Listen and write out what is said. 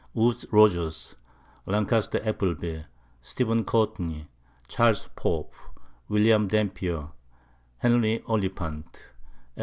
_ Woodes Rogers, Lan. Appleby, Stephen Courtney, Charles Pope, William Dampier, Henry Oliphant, Edw.